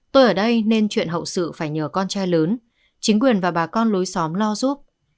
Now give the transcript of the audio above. tôi ở đây nên chuyện hậu sự phải nhờ con trai lớn chính quyền và bà con lối xóm lo giúp